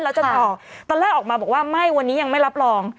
แล้วจะต่อตอนแรกออกมาบอกว่าไม่วันนี้ยังไม่รับรอง